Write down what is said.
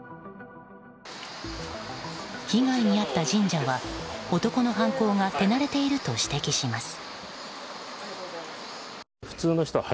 被害に遭った神社は男の犯行が手馴れていると指摘します。